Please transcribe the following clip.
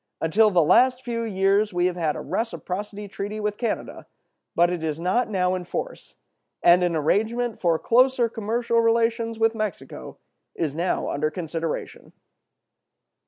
Until the last few years we have had a reciprocity treaty with Canada, but it is not now in force; and an arrangement for closer commercial relations with Mexico is now under consideration.